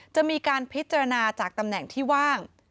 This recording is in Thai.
จะมีการพิจารณาจากตำแหน่งที่ว่าง